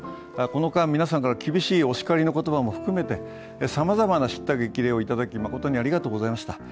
この間皆さんから厳しいお叱りの言葉を含めて、さまざまなしった激励をいただきまことにありがとうございました。